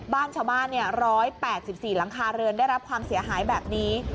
บ้านชาวบ้าน๑๘๔หลังคาเรือนได้รับความเสียหายแบบนี้